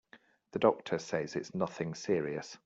The doctor says it's nothing serious.